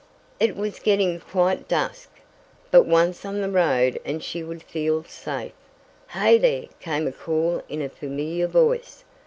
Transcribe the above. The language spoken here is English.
It was getting quite dusk, but once on the road and she would feel safe. "Hey there!" came a call in a familiar voice.